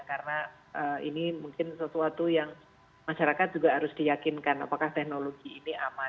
karena ini mungkin sesuatu yang masyarakat juga harus diyakinkan apakah teknologi ini aman